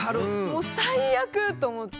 「もう最悪」と思って。